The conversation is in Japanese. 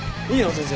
先生。